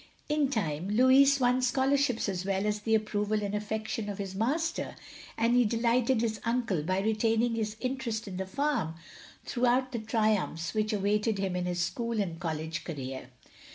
In time Louis won scholarships as well as the approval and affection of his master, and he delighted his uncle by retaining his interest in the farm throughout the triumphs which awaited him in his school and college career.